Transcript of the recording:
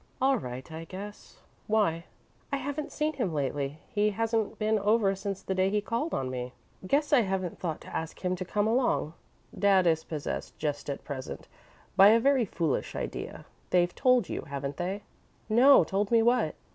"All right, I guess. Why?" "I haven't seen him lately. He hasn't been over since the day he called on me." "Guess I haven't thought to ask him to come along. Dad is possessed just at present by a very foolish idea. They've told you, haven't they?" "No. Told me what?"